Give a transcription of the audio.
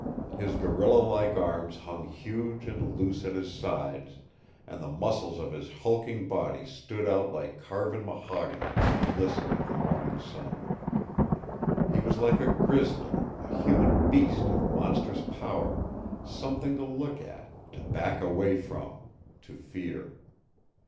His gorilla like arms hung huge and loose at his sides, and the muscles of his hulking body stood out like carven mahogany in the glisten of the morning sun. He was like a grizzly, a human beast of monstrous power, something to look at, to back away from, to fear.